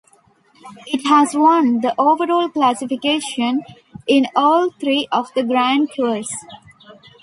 It has won the overall classification in all three of the Grand Tours.